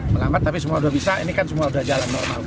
melambat tapi semua sudah bisa ini kan semua sudah jalan normal